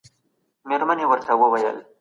علمي ژبه ډېره سخته ده او لوستوال ستړي کوي.